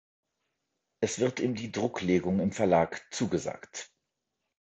Es wird ihm die Drucklegung im Verlag zugesagt.